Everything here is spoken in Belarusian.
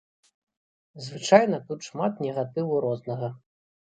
Звычайна тут шмат негатыву рознага.